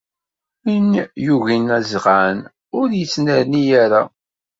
Win yugin azɣan ur yettnerni ara.